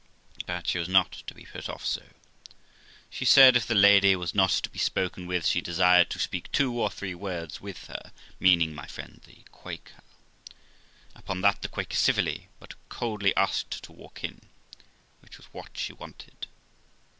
But she was not to be put off so. She said if the Lady was not to be spoken with, she desired to speak two or three words with her, meaning my friend the Quaker. Upon that, the Quaker civilly but coldly asked her to walk in, which was what she wanted.